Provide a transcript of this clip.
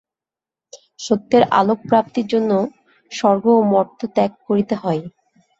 সত্যের আলোক-প্রাপ্তির জন্য স্বর্গ ও মর্ত্য ত্যাগ করিতে হয়।